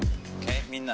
「みんな。